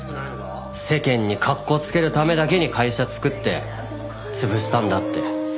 世間に格好つけるためだけに会社作って潰したんだって。